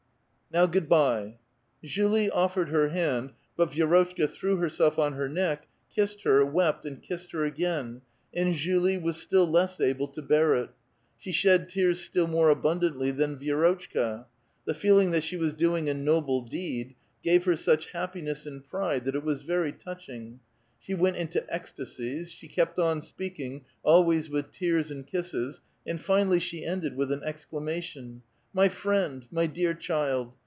" Now, good by." Julie ottered her band, but Vi^rotchka threw herself on her neck, kissed her, wept, and kissed her again, and Julie was still less able to bear it; she shed tears still more abundantly than Vi^rotchka ; the feeling that she was doing a noble deed gave her such happiness and pride that it was very touching ; she went into ecstasies, she kept on speaking, always with tears and kisses, and finally she ended with an exclamation :—" My friend ! my dear child